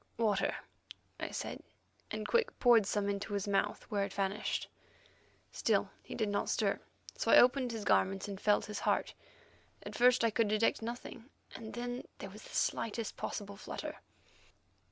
"Water," I said, and Quick poured some into his mouth, where it vanished. Still he did not stir, so I opened his garments and felt his heart. At first I could detect nothing; then there was the slightest possible flutter.